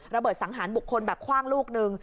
ระเบิดสังหารบุคคลแบบคว่างลูกหนึ่ง